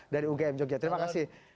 dari ugm jogja terima kasih